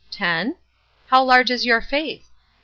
ten? How large is your faith